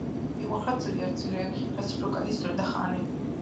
მიყვარხარ ძლიერ ძლიერ რაც უფრო გადის დრო და ხანი